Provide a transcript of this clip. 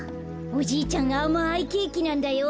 おじいちゃんあまいケーキなんだよ。